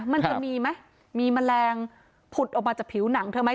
มันจะมีไหมมีแมลงผุดออกมาจากผิวหนังเธอไหม